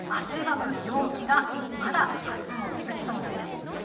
汗ばむ陽気がまだ、あすも続きそうなんです。